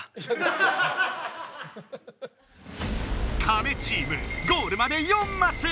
カメチームゴールまで４マス！